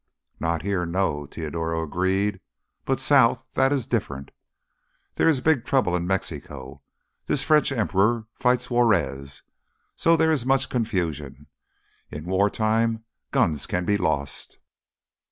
"Not here, no," Teodoro agreed. "But south, that is different. There is big trouble in Mexico—this French emperor fights Juarez, so there is much confusion. In wartime guns can be lost.